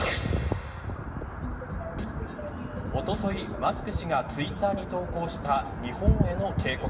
おとといマスク氏がツイッターに投稿した日本への警告。